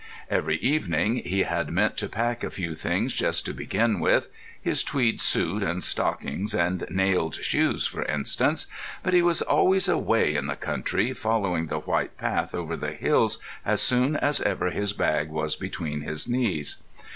Every evening he had meant to pack a few things just to begin with: his tweed suit and stockings and nailed shoes, for instance; but he was always away in the country, following the white path over the hills, as soon as ever his bag was between his knees.